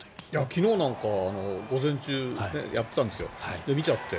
昨日なんか午前中やってて見ちゃって。